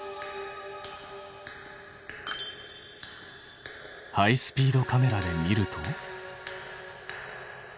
ハイスピードカメラで見ると。